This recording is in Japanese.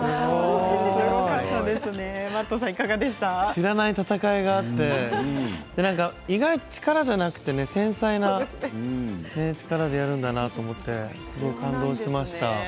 知らない戦いがあってなんか意外と力じゃなくて繊細な力でやるんだなと思ってすごい感動しました。